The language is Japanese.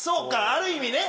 ある意味ね。